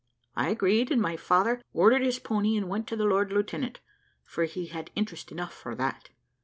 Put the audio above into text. I agreed, and my father ordered his pony and went to the lord lieutenant, for he had interest enough for that.